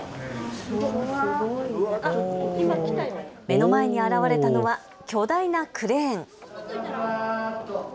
目の前に現れたのは巨大なクレーン。